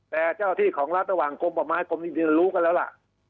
แต่เจ้าที่ของรัฐระหว่างกรมป่าไม้กรมจริงรู้กันแล้วล่ะ